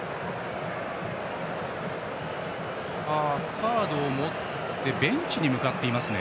カードを持ってベンチに向かっていますね。